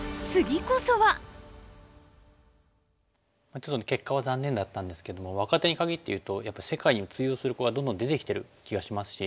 ちょっと結果は残念だったんですけども若手に限っていうとやっぱり世界に通用する子がどんどん出てきてる気がしますし。